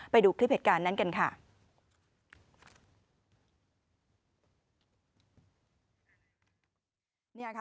ไปดูคลิปเหตุการณ์นั้นกันค่ะ